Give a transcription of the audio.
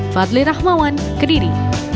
fadli rahmawan kediri